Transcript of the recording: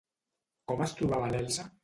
Com es trobava l'Elsa?